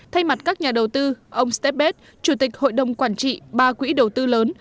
thay mặt các nhà đầu tư ông stepet chủ tịch hội đồng quản trị ba quỹ đầu tư lớn